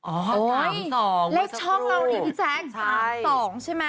โอ้ยเลขช่องเราเนี่ยพี่แจ๊ค